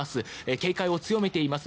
警戒を強めています。